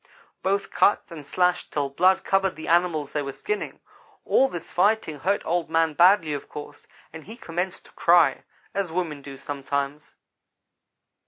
"Both cut and slashed till blood covered the animals they were skinning. All this fighting hurt Old man badly, of course, and he commenced to cry, as women do sometimes.